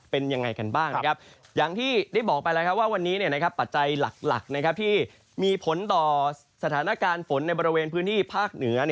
เป็นยังไงกันบ้างนะครับอย่างที่ได้บอกไปแล้วว่าวันนี้ปัจจัยหลักที่มีผลต่อสถานการณ์ฝนในบริเวณพื้นที่ภาคเหนือ